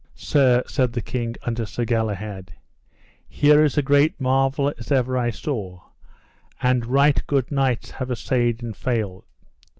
Sir, said the king unto Sir Galahad, here is a great marvel as ever I saw, and right good knights have assayed and failed.